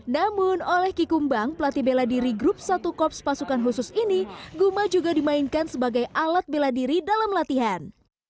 namun oleh kikumbang pelatih bela diri grup satu korps pasukan khusus ini guma juga dimainkan sebagai alat bela diri dalam latihan